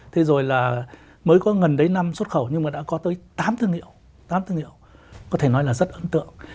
thế rồi là mới có gần đấy năm xuất khẩu nhưng mà đã có tới tám thương hiệu có thể nói là rất ấn tượng